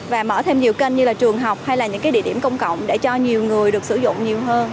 và mở thêm nhiều kênh như là trường học hay là những cái địa điểm công cộng để cho nhiều người được sử dụng nhiều hơn